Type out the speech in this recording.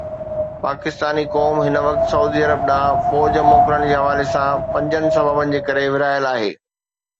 پاڪستاني قوم هن وقت سعودي عرب ڏانهن فوج موڪلڻ جي حوالي سان پنجن سببن جي ڪري ورهايل آهي.